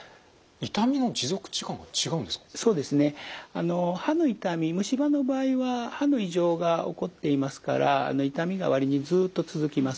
あの歯の痛み虫歯の場合は歯の異常が起こっていますから痛みが割にずっと続きます。